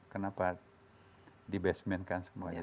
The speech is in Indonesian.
kenapa dibesmenkan semuanya